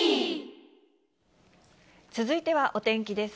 続いてはお天気です。